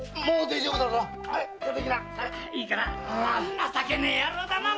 情けねえ野郎だなあ。